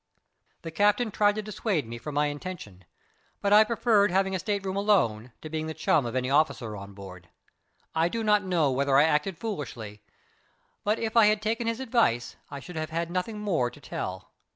The captain tried to dissuade me from my intention, but I preferred having a state room alone to being the chum of any officer on board. I do not know whether I acted foolishly, but if I had taken his advice I should have had nothing more to tell.